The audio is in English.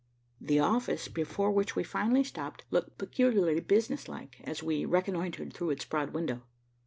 The office before which we finally stopped looked peculiarly businesslike as we reconnoitred through its broad window.